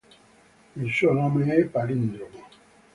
Il suo nome è palindromo.